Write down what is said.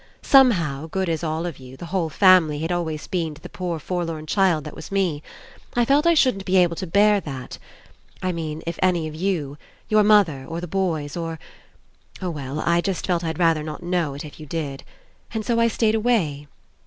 Somehow, good as all of you, the whole family, had always been to the poor forlorn child that was me, I felt I shouldn't be able to bear that. I mean if any of you, your mother or the boys or — Oh, well, I just felt I'd rather not know It if you did. And so I stayed away.